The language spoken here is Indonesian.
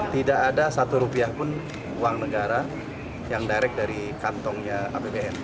tidak ada satu rupiah pun uang negara yang direct dari kantongnya apbn